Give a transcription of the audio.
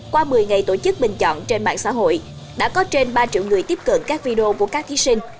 qua một mươi ngày tổ chức bình chọn trên mạng xã hội đã có trên ba triệu người tiếp cận các video của các thí sinh